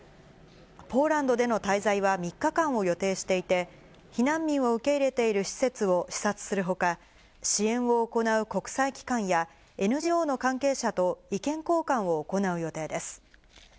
ポーランドでの滞在は３日間を予定していて、避難民を受け入れている施設を視察するほか、支援を行う国際機関や、ＮＧＯの関係者と意見交換を行う予定です。